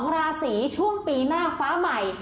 ราศีช่วงปีหน้าฟ้าใหม่